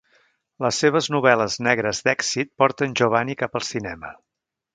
Les seves novel·les negres d'èxit porten Giovanni cap al cinema.